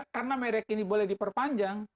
karena merek ini boleh diperpanjang